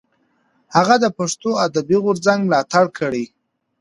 هغه د پښتو ادبي غورځنګ ملاتړ کړی.